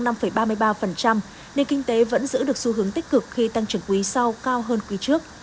nền kinh tế vẫn giữ được xu hướng tích cực khi tăng trưởng quý sau cao hơn quý trước